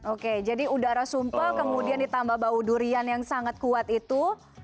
oke jadi udara sumpah kemudian ditambah bau durian yang sangat kuat itu